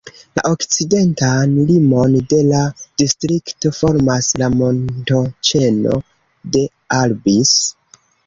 La okcidentan limon de la distrikto formas la montoĉeno de Albis.